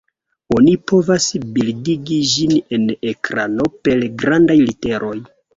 Oni povas bildigi ĝin en ekrano per grandaj literoj.